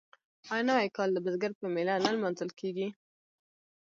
آیا نوی کال د بزګر په میله نه لمانځل کیږي؟